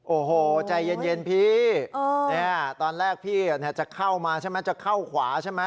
โอ้โหใจเย็นพี่ตอนแรกพี่จะเข้ามาจะเข้าขวาใช่มั้ย